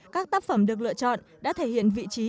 các tác phẩm được lựa chọn đã thể hiện vị trí